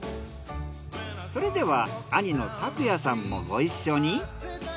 それでは兄の拓弥さんもご一緒に。